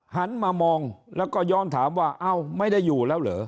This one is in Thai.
หันมามองแล้วก็ย้อนถามว่าเอ้าไม่ได้อยู่แล้วเหรอ